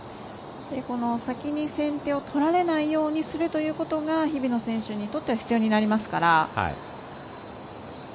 先に先手を取られないようにするということが日比野選手にとっては必要になりますから。